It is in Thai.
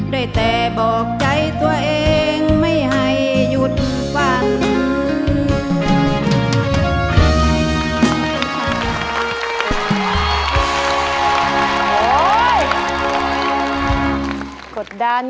ได้แต่บอกใจตัวเองไม่ให้หยุดฝัน